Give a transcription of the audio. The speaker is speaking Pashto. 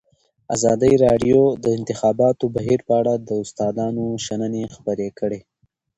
ازادي راډیو د د انتخاباتو بهیر په اړه د استادانو شننې خپرې کړي.